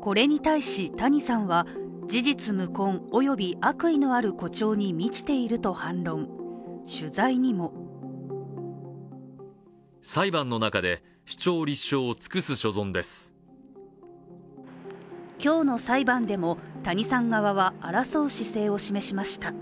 これに対し、谷さんは事実無根および悪意のある誇張に満ちていると反論、取材にも今日の裁判でも谷さん側は争う姿勢を示しました。